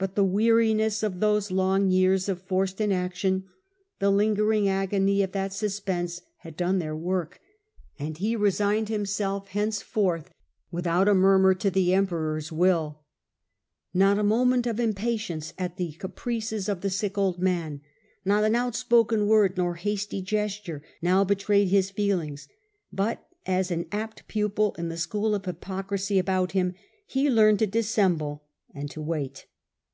But the weariness of those long years of forced inaction, the lingering agony of that suspense had done their work, and he resigned himself hence _,.'°, r^ , His patient forth without a murmur to the Emperor^s self control will. Not a moment of impatience at the caprices of the sick old man, not an outspoken word noi hasty gesture now betrayed his feelings ; but, as an apt pupil in the school of hypocrisy about him, he learned to dissemble and to wait.